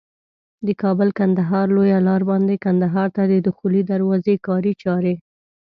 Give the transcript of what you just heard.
د کابل کندهار لویه لار باندي کندهار ته د دخولي دروازي کاري چاري